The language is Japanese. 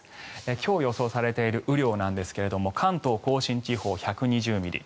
今日、予想されている雨量なんですが関東・甲信地方１２０ミリ